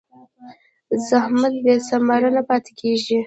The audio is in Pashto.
زحمت بېثمره نه پاتې کېږي.